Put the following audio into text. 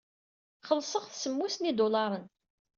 Xellṣeɣ-t semmus n yidulaṛen.